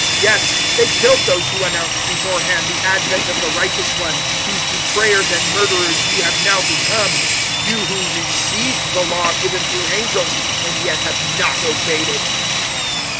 Yes, they killed those who announced beforehand the advent of the righteous One, whose betrayers and murderers you have now become 007:053 you who received the Law given through angels, and yet have not obeyed it."